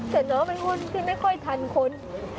แต่น้องเป็นคนที่ไม่ค่อยทันคน